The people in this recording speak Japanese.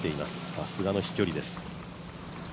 さすがの飛距離です。